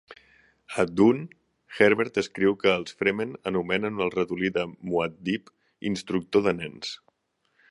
A "Dune", Herbert escriu que els Fremen anomenen el ratolí de Muad'Dib "instructor de nens".